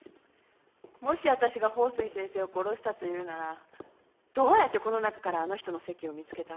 もしわたしが鳳水先生を殺したというならどうやってこの中からあの人の席を見つけたわけ？